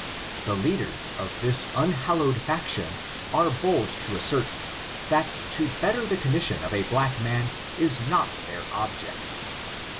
The lead ers of this unhallowed faction are bold to assert, that to better the condition of the black man is not their object.